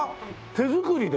手作りで？